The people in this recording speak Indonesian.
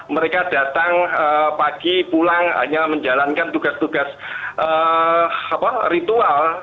mereka datang pagi pulang hanya menjalankan tugas tugas ritual